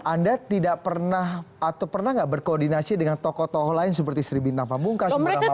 anda tidak pernah atau pernah enggak berkoordinasi dengan tokoh tokoh lain seperti sri bintang pabungka sumberan bawat